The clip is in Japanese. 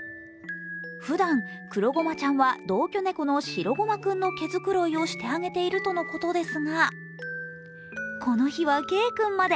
ふだん、くろごまちゃんは同居猫のしろごま君の毛繕いをしてあげているとのことですが、この日はＫ君まで。